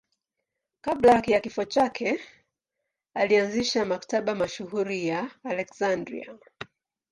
Kabla ya kifo chake alianzisha Maktaba mashuhuri ya Aleksandria.